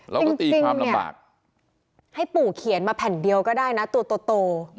แล้วก็ตีความลำบากให้ปู่เขียนมาแผ่นเดียวก็ได้นะตัวโต